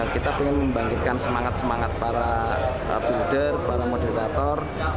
kita ingin membangkitkan semangat semangat para builder para moderator